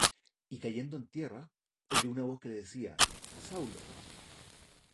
Y cayendo en tierra, oyó una voz que le decía: Saulo,